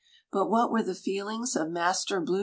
But what were the feelings of Master Blue Shell?